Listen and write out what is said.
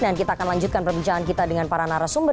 dan kita akan lanjutkan perbincangan kita dengan para narasumat